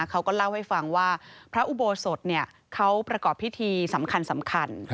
เขาก็เล่าให้ฟังว่าพระอุโบสถเขาประกอบพิธีสำคัญ